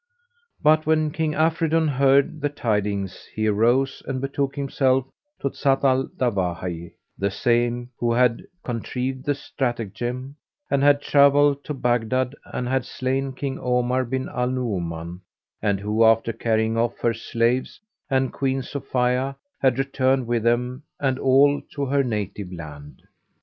But when King Afridun heard the tidings he arose and betook himself to Zat al Dawahi, the same who had contrived the stratagem, and had travelled to Baghdad and had slain King Omar bin Al Nu'uman; and who after carrying off her slaves and Queen Sophia, had returned with them all to her native land.